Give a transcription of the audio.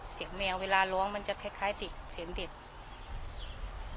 เสียงแมวเวลาร้องมันจะคล้ายติดเสียงเด็ด